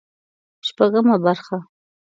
شپږمه برخه